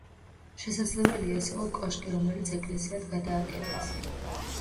შესაძლებელია ეს იყო კოშკი, რომელიც ეკლესიად გადააკეთეს.